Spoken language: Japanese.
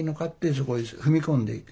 そこへ踏み込んでいく。